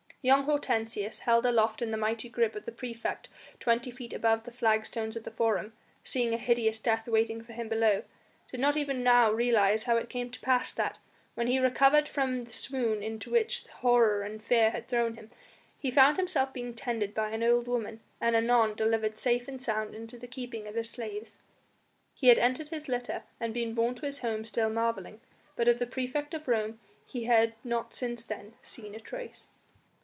Young Hortensius, held aloft in the mighty grip of the praefect twenty feet above the flagstones of the Forum, seeing a hideous death waiting for him below, did not even now realise how it came to pass that when he recovered from the swoon into which horror and fear had thrown him he found himself being tended by an old woman, and anon delivered safe and sound into the keeping of his slaves; he had entered his litter and been borne to his home still marvelling, but of the praefect of Rome he had not since then seen a trace.